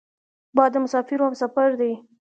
باد د مسافرو همسفر دی